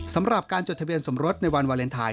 สำหรับการจดทะเบียนสมรสในวันวาเลนไทย